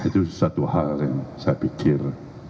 itu satu hal yang saya pikir